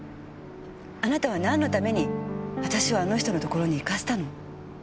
あなたはなんのために私をあの人のところに行かせたの？